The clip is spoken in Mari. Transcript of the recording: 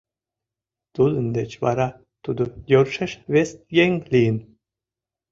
Тудын деч вара тудо йӧршеш вес еҥ лийын.